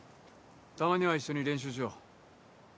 たまには一緒に練習しよう。